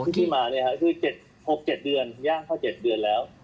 ที่มาคือ๖๗เดือนย่างเข้า๗เดือนแล้ว